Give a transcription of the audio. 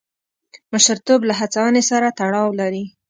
مشرتوب له هڅونې سره تړاو لري.